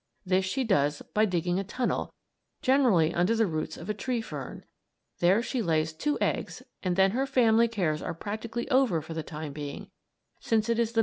This she does by digging a tunnel, generally under the roots of a tree fern. There she lays two eggs and then her family cares are practically over for the time being, since it is the male kiwi who does most of the setting.